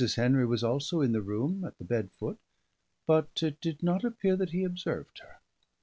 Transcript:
Henry was also in the room, at the bed foot; but it did not appear that he observed her.